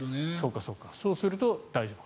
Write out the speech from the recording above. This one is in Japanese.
そうすると大丈夫。